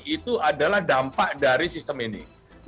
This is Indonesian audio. itu adalah dampak dari sistem ini